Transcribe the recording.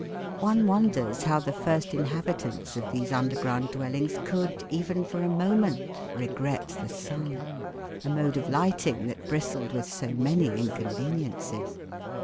One wonders how the first inhabitants of these underground dwellings could, even for a moment, regret the sun, a mode of lighting that bristled with so many inconveniences.